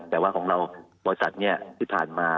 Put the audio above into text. แต่ว่าของเราบริษัทนี้ที่ผ่านมา